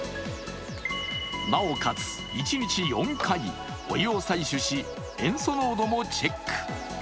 なおかつ１日４回、お湯を採取し塩素濃度もチェック。